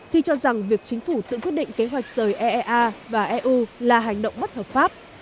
khi cho rằng việc chính phủ tự quyết định kế hoạch rời eea và eu là hành động bất hợp pháp